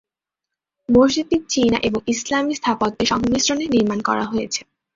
মসজিদটি চীনা এবং ইসলামী স্থাপত্যের সংমিশ্রণে নির্মাণ করা হয়েছে।